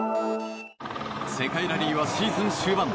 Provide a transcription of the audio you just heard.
世界ラリーはシーズン終盤。